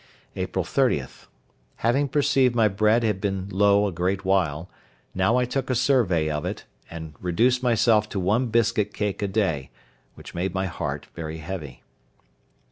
April 30.—Having perceived my bread had been low a great while, now I took a survey of it, and reduced myself to one biscuit cake a day, which made my heart very heavy.